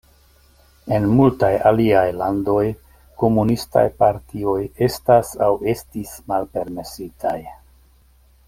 En multaj aliaj landoj, komunistaj partioj estas aŭ estis malpermesitaj.